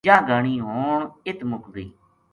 یاہ گھانی ہون اِت مُک گئی